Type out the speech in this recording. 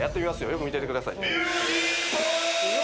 よく見ててください勢い！